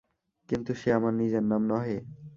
কিন্তু সে আমার নিজের নাম নহে।